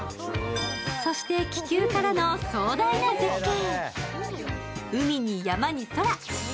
そして気球からの壮大な絶景。